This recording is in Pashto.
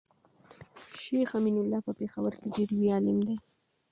شيخ امين الله په پيښور کي ډير لوي عالم دی